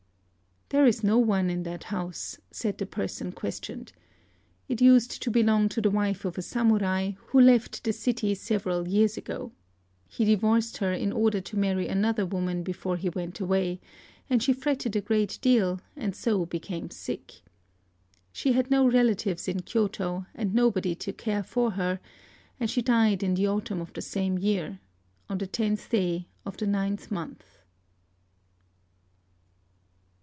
"There is no one in that house," said the person questioned. "It used to belong to the wife of a Samurai who left the city several years ago. He divorced her in order to marry another woman before he went away; and she fretted a great deal, and so became sick. She had no relatives in Kyôto, and nobody to care for her; and she died in the autumn of the same year, on the tenth day of the ninth month...."